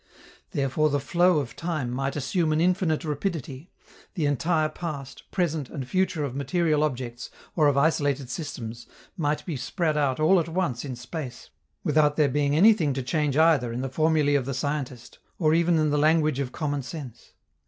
Therefore the flow of time might assume an infinite rapidity, the entire past, present, and future of material objects or of isolated systems might be spread out all at once in space, without there being anything to change either in the formulae of the scientist or even in the language of common sense.